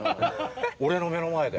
俺の目の前で。